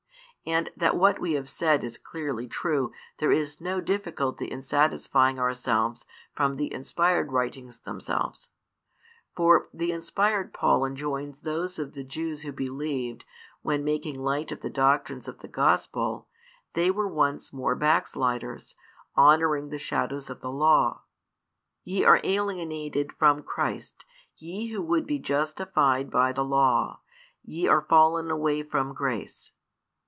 And that what we have said is clearly true there is no difficulty in satisfying ourselves from the inspired writings themselves. For the inspired |380 Paul enjoins those of the Jews who believed, when making light of the doctrines of the Gospel, they were once more backsliders, honouring the shadows of the Law: Ye are alienated from Christ, ye who would he justified by the Law; ye are fallen away from grace.